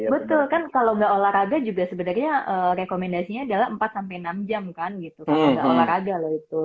betul kan kalau nggak olahraga juga sebenarnya rekomendasinya adalah empat sampai enam jam kan gitu kalau nggak olahraga loh itu